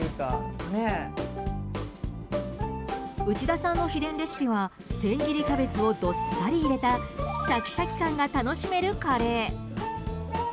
内田さんの秘伝レシピは千切りキャベツをどっさり入れたシャキシャキ感が楽しめるカレー。